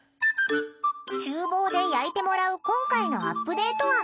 ちゅう房で焼いてもらう今回のアップデート案。